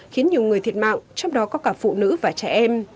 khiến nhiều người thiệt mạng trong đó có cả phụ nữ và trẻ em